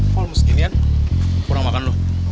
malu seginian kurang makan lu